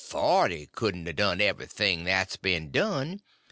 —forty couldn't a done every thing that's been done.